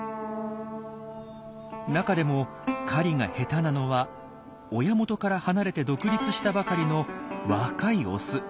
中でも狩りが下手なのは親元から離れて独立したばかりの若いオス。